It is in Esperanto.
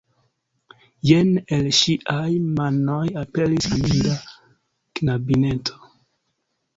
Jen el ŝiaj manoj aperis aminda knabineto.